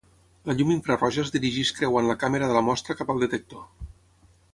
La llum infraroja es dirigeix creuant la càmera de la mostra cap al detector.